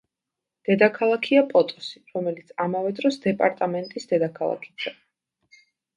დედაქალაქია პოტოსი, რომელიც ამავე დროს დეპარტამენტის დედაქალაქიცაა.